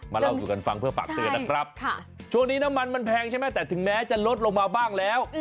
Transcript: เล่าสู่กันฟังเพื่อฝากเตือนนะครับช่วงนี้น้ำมันมันแพงใช่ไหมแต่ถึงแม้จะลดลงมาบ้างแล้ว